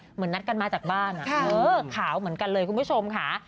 เหมือนนัดกันมาจากบ้านขาวเหมือนกันเลยคุณผู้ชมค่ะ